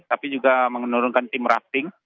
tapi juga menurunkan tim rafting